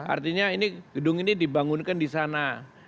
artinya ini gedung ini dibangunkan di sana